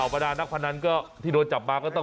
แบบนี้คือแบบนี้คือแบบนี้คือแบบนี้คือ